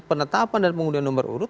penetapan dan pengundian nomor urut